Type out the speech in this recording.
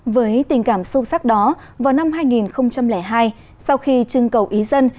với tình cảm sâu sắc đó vào năm hai nghìn hai sau khi trưng cầu ý dân